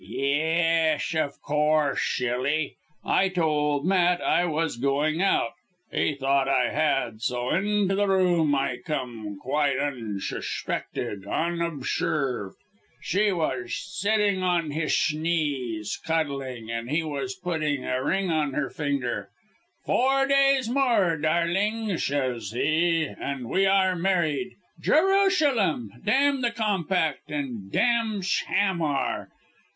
"Yesh, of course, shilly! I told Matt I was going out. He thought I had so into the room I came quite unshuspected, unobsherved. She was sitting on hish knees, cuddling and he was putting a ring on her finger. 'Four more days, darling,' shays he, 'and we are married! Jerushalem! Damn the Compact and damnsh Hamar!'